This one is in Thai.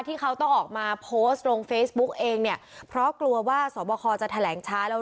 ที่เขาต้องออกมาโพสต์ลงเฟซบุ๊กเองเนี่ยเพราะกลัวว่าสอบคอจะแถลงช้าแล้ว